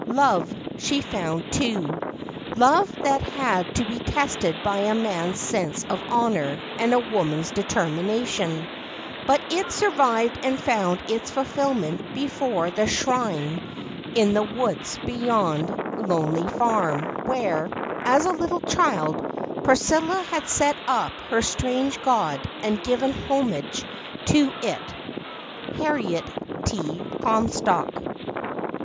Love, she found, too love that had to be tested by a man's sense of honour and a woman's determination, but it survived and found its fulfilment before the Shrine in the woods beyond Lonely Farm, where, as a little child, Priscilla had set up her Strange God and given homage to it. Harriet T. Comstock.